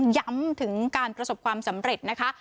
ย้ำถึงการประสบความสำเร็จนะคะ